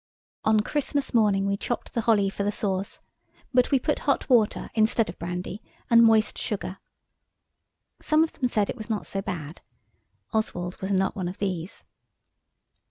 On Christmas morning we chopped the holly for the sauce, but we put hot water (instead of brandy) and moist sugar. Some of them said it was not so bad. Oswald was not one of these.